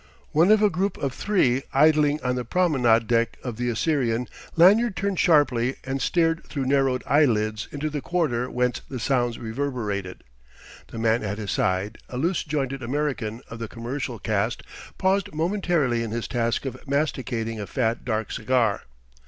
One of a group of three idling on the promenade deck of the Assyrian, Lanyard turned sharply and stared through narrowed eyelids into the quarter whence the sounds reverberated. The man at his side, a loose jointed American of the commercial caste, paused momentarily in his task of masticating a fat dark cigar.